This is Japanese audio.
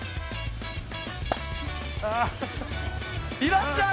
いらっしゃい！